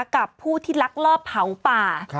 กับผู้ที่ลักลอบเผาป่า